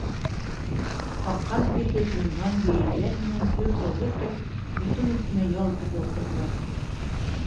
Аҡҡан тирҙе туңған бейәләйҙәр менән һөртә-һөртә, утын өҫтөнә ял итергә ултырҙылар.